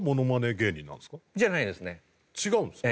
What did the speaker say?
違うんですか？